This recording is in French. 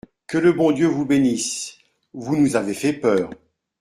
Que le bon Dieu vous bénisse !… vous nous avez fait peur !…